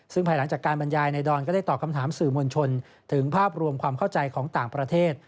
ซึ่งภายหลังจากการบรรยายในดอนก็ได้ตอบคำถามสื่อมวลชนถึงภาพรวมความเข้าใจของต่างประเทศ